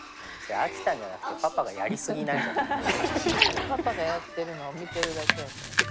パパがやってるのを見てるだけやから。